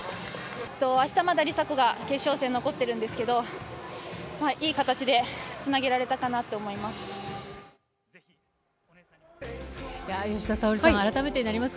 あした、まだ梨紗子が決勝戦残ってるんですけれども、いい形でつなげられたかなって思います。